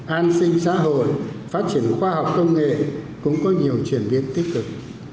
an sinh xã hội phát triển khoa học công nghệ cũng có nhiều chuyển biến tích cực